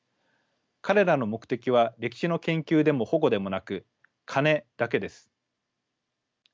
彼らの目的は歴史の研究でも保護でもなく金だけです。